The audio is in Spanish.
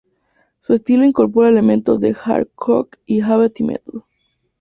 Su estilo incorpora elementos del hard rock y el heavy metal.